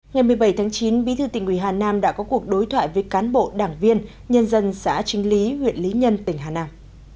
ngày một mươi bảy tháng chín bí thư tỉnh ủy hà nam đã có cuộc đối thoại với cán bộ đảng viên nhân dân xã trinh lý huyện lý nhân tỉnh hà nam